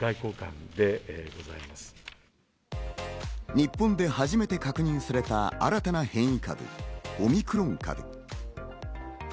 日本で初めて確認された新たな変異株、オミクロン株。